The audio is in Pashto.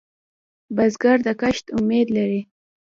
بزګر د کښت امید لري